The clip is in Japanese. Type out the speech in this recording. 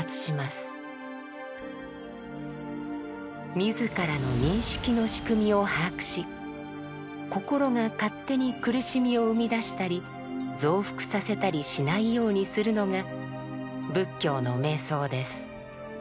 自らの認識の仕組みを把握し心が勝手に苦しみを生み出したり増幅させたりしないようにするのが仏教の瞑想です。